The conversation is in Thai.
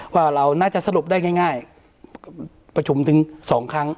ว่าเราน่าจะสรุปได้ง่ายประชุมถึงสองครั้ง